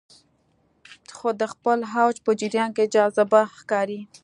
خو د خپل اوج په جریان کې جذابه ښکاري